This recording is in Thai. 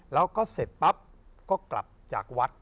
แล้วก็เสร็จปั๊บก็กลับจากวัด